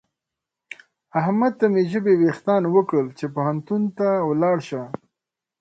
احمد ته مې ژبې وېښتان وکړل چې پوهنتون ته ولاړ شه.